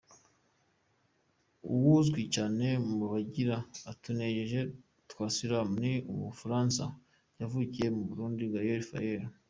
Uwuzwi cane mu bagira utugenege twa Slam ni umufaransa yavukiye mu Burundi, Gael Faye.